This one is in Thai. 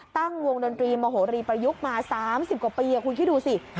ตั้งวงดนตรีมโหรีประยุกต์มา๓๐กว่าปีคุณคิดดูสิ